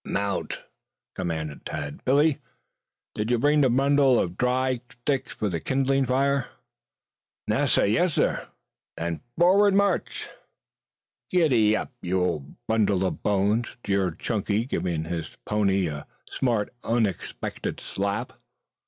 "Mount!" commanded Tad. "Billy, did you bring that bundle of dry sticks for kindling the fire?" "Nassir, yassir." "Then, forward march!" "Giddap, you old bundle of bones," jeered Chunky, giving his pony a smart unexpected slap.